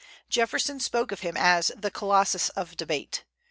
Jefferson spoke of him as "the colossus of debate."